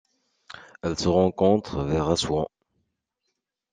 Elle se rencontre vers Assouan.